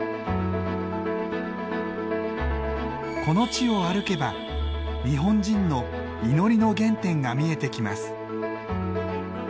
この地を歩けば日本人の祈りの原点が見えてきます。